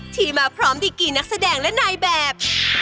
ที่มาพร้อมดีกี่นักแสดงและนายแบบ